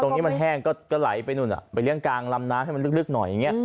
ตรงนี้มันแห้งก็เหลียงใกล้ไปกลางรำน้ำให้มันลึกหน่อย